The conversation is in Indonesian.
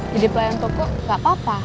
jadi pelayan toko gak apa apa